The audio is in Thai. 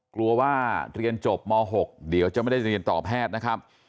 กลัวว่าเรียนจบม๖เดี๋ยวจะไม่ได้เรียนต่อแพทย์นะครับ